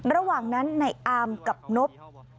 ระหว่างนั้นในอามกับนบ